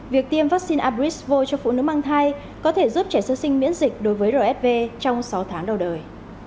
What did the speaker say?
việc tiêm vaccine abrisvoi cho phụ nữ mang thai có thể giúp trẻ sơ sinh miễn dịch đối với rfv trong sáu tháng đầu đời